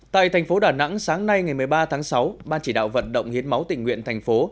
tại thành phố đà nẵng sáng nay ngày một mươi ba tháng sáu ban chỉ đạo vận động hiến máu tình nguyện thành phố